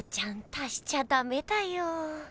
たしちゃダメだよ。